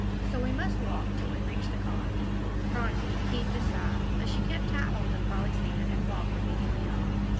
"So we must walk till we reach the car." Phronsie heaved a sigh, but she kept tight hold of Polly's hand, and walked obediently on.